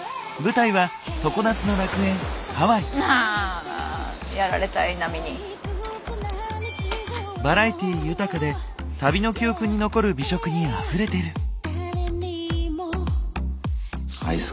舞台は常夏の楽園バラエティ豊かで旅の記憶に残る美食にあふれてる！